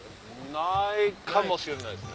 無いかもしれないですね。